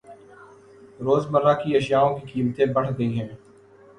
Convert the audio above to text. روز مرہ کے اشیاوں کی قیمتیں بڑھ گئ ہے۔